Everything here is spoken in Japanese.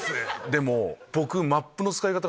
でも僕。